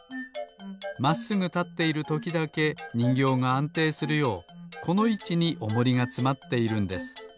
まっすぐたっているときだけにんぎょうがあんていするようこのいちにおもりがつまっているんです。